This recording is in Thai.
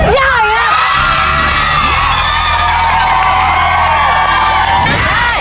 หนึ่งแสน